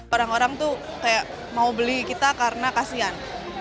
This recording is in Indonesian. orang orang tuh kayak mau beli kita karena kasihan